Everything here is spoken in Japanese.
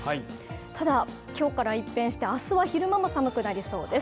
ただ今日から一変して明日は昼間も寒くなりそうです。